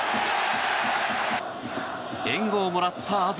援護をもらった東。